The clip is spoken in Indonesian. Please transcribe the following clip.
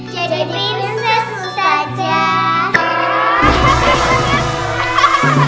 jadi prinses ustazah